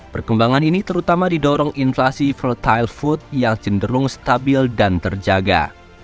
perkembangan ini terutama didorong inflasi volatile food yang cenderung stabil dan terjaga